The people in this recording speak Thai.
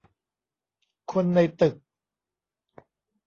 คนในตึก